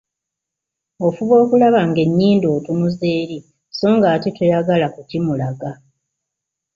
Ofuba okulaba ng'ennyindo otunuza eri, so ng'ate toyagala kukimulaga.